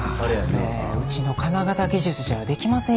うちの金型技術じゃできませんよ。